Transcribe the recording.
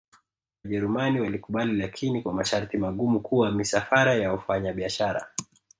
wajerumani walikubali lakini kwa masharti magumu kuwa misafara ya wafanya biashara